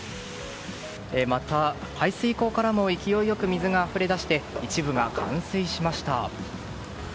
また、排水溝からも勢いよく水があふれ出して一部が冠水しました。